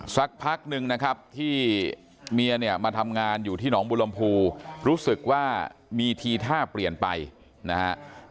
สักพักนึงนะครับที่เมียเนี่ยมาทำงานอยู่ที่หนองบุรมภูรู้สึกว่ามีทีท่าเปลี่ยนไปนะฮะ